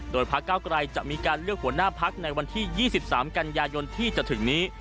โดยพักเก้าไกรจะมีการเลือกหัวหน้าพักในวันที่๒๓กันยายนที่จะถึงนี้